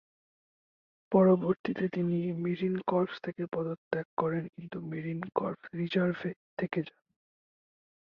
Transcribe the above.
পরবর্তীতে তিনি marine corps থেকে পদত্যাগ করেন, কিন্তু মেরিন কর্পস রিজার্ভে থেকে যান।